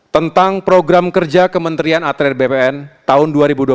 tentang program kerja kementerian atlet bpn tahun dua ribu dua puluh